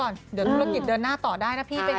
ใช่เดี๋ยวข่าวไปภาดหัว